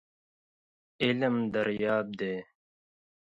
علم دریاب دی .